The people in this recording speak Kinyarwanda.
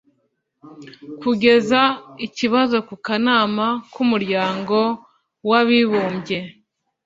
kugeza ikibazo ku kanama k'umuryango w'abibumbye